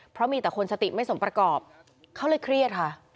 เพราะมีแต่คนสติไม่สมประกอบเขาเลยเครียดค่ะ